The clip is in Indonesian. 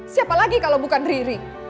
siapa lagi kalau bukan riri